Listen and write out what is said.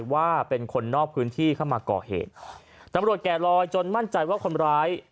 ว่าเป็นคนนอกพื้นที่เข้ามาก่อเหตุตำรวจแก่ลอยจนมั่นใจว่าคนร้าย